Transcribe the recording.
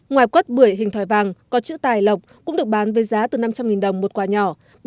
ngoài quất bưởi hình thòi vàng con chữ tài lộc cũng được bán với giá từ năm trăm linh đồng một quả nhỏ